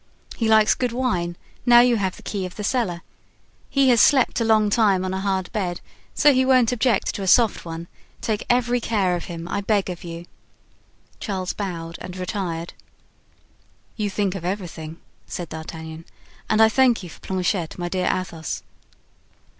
He likes good wine; now you have the key of the cellar. He has slept a long time on a hard bed, so he won't object to a soft one; take every care of him, I beg of you." Charles bowed and retired. "You think of everything," said D'Artagnan; "and I thank you for Planchet, my dear Athos."